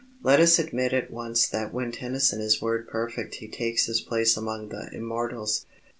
Let us admit at once that when Tennyson is word perfect he takes his place among the immortals.